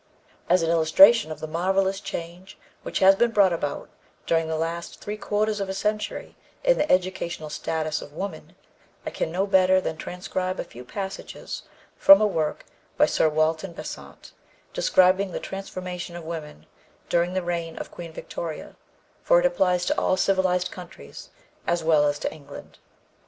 As an illustration of the marvelous change which has been brought about during the last three quarters of a century in the educational status of woman, I can do no better than transcribe a few passages from a work by Sir Walter Besant describing the transformation of woman during the reign of Queen Victoria; for it applies to all civilized countries as well as to England.